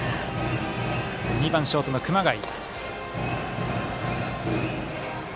２番、ショートの熊谷。